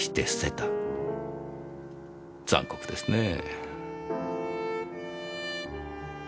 残酷ですねぇ。